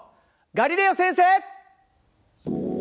ガリレオ先生！